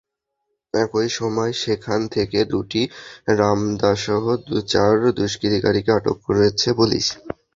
একই সময় সেখান থেকে দুটি রামদাসহ চার দুষ্কৃতকারীকে আটক করেছে পুলিশ।